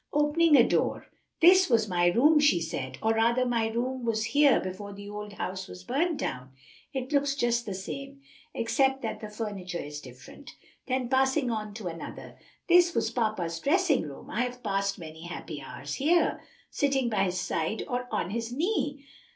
Opening a door, "This was my room," she said, "or rather my room was here before the old house was burned down. It looks just the same, except that the furniture is different." Then passing on to another, "This was papa's dressing room. I have passed many happy hours here, sitting by his side or on his knee.